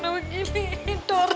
nung gini dare